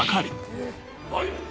はい！